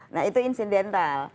nah itu insidental